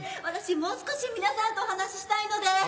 私もう少し皆さんとお話ししたいので。